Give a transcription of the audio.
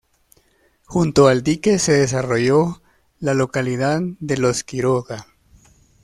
Junto al dique se desarrolló la localidad de Los Quiroga.